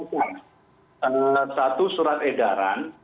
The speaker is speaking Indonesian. kita mengeluarkan satu surat edaran